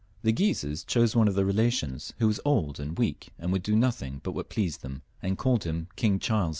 The Guises chose out one of their relations who was old and weak, and would do nothing but what pleased them, and caUed him King Charles X.